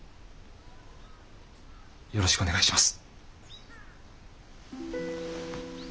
よろしくお願いします。